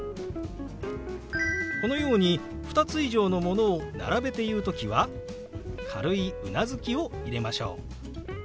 このように２つ以上のものを並べて言う時は軽いうなずきを入れましょう。